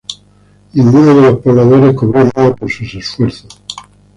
Ninguno de los pobladores cobró nada por sus esfuerzos.